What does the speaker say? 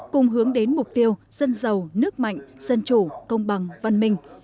cùng hướng đến mục tiêu dân giàu nước mạnh dân chủ công bằng văn minh